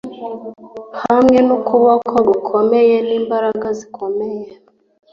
hamwe n’ukuboko gukomeye n’imbaraga zikomeye